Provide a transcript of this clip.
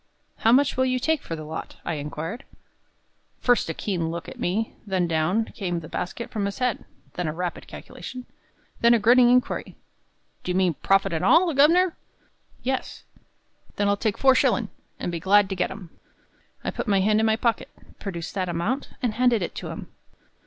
"How much will you take for the lot?" I inquired. First a keen look at me, then down came the basket from his head, then a rapid calculation, then a grinning inquiry, "Do you mean profit an' all, governor?" "Yes." "Then I'll take four shillin', and be glad to get 'em." I put my hand in my pocket, produced that amount, and handed it to him.